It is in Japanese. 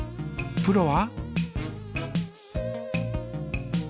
プロは？